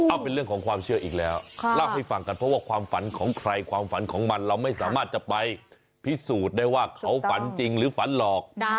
เอาเป็นเรื่องของความเชื่ออีกแล้วเล่าให้ฟังกันเพราะว่าความฝันของใครความฝันของมันเราไม่สามารถจะไปพิสูจน์ได้ว่าเขาฝันจริงหรือฝันหรอก